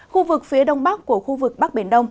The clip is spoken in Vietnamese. khu vực phía đông bắc của khu vực bắc biển đông